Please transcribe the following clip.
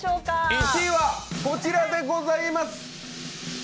１位はこちらでございます。